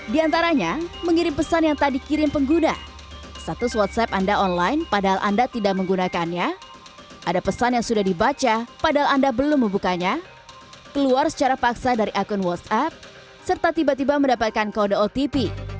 di antaranya mengirim pesan yang tak dikirim pengguna satu whatsapp anda online padahal anda tidak menggunakannya ada pesan yang sudah dibaca padahal anda belum membukanya keluar secara paksa dari akun whatsapp serta tiba tiba mendapatkan kode otp